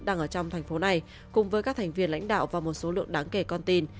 đang ở trong thành phố này cùng với các thành viên lãnh đạo và một số lượng đáng kể con tin